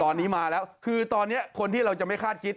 ตอนนี้มาแล้วคือตอนนี้คนที่เราจะไม่คาดคิด